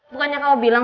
bukannya kamu bilang